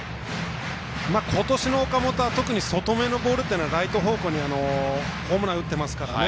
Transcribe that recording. ことしの岡本は特に外めのボールというのはライト方向にホームランを打っていますからね。